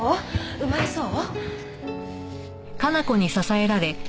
生まれそう？